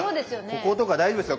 こことか大丈夫ですか？